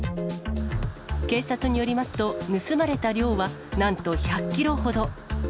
警察によりますと、盗まれた量はなんと１００キロほど。